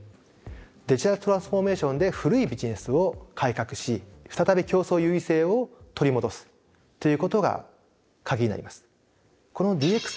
デジタルトランスフォーメーションで古いビジネスを改革し再び競争優位性を取り戻すということがカギになります。